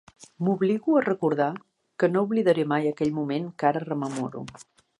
M'obligo a recordar que no oblidaré mai aquell moment que ara rememoro.